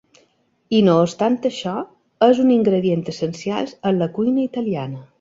I, no obstant això, és un ingredient essencial en la cuina italiana.